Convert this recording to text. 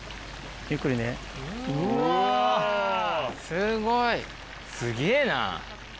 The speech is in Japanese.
すごい。すげーな。